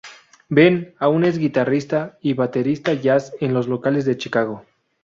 Benn aún es guitarrista y baterista jazz en locales de Chicago.